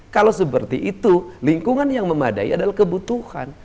kalau seperti itu lingkungan yang memadai adalah kebutuhan